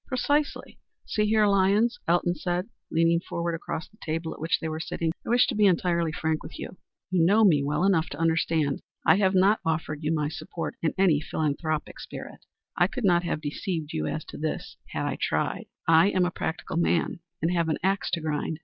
"Precisely. See here, Lyons," Elton said, leaning forward across the table at which they were sitting, "I wish to be entirely frank with you. You know me well enough to understand that I have not offered you my support in any philanthropic spirit. I could not have deceived you as to this had I tried. I am a practical man, and have an axe to grind.